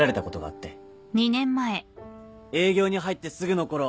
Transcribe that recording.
営業に入ってすぐのころ